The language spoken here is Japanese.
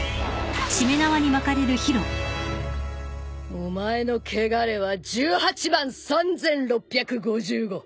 お前の穢れは１８万３，６５５。